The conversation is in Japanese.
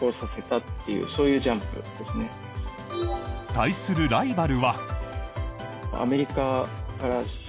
対するライバルは？